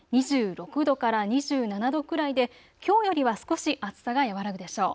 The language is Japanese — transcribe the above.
２６度から２７度くらいできょうよりは少し暑さが和らぐでしょう。